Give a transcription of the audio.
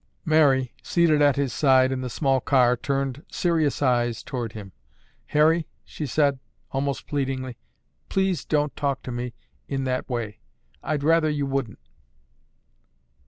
Mary, seated at his side in the small car, turned serious eyes toward him. "Harry," she said almost pleadingly, "please don't talk to me that way. I—I'd rather you wouldn't."